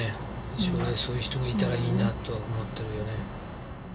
将来そういう人がいたらいいなとは思ってるよね。